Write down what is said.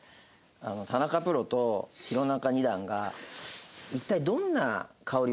田中プロと弘中二段が一体香り？